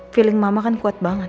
feeling mama kan kuat banget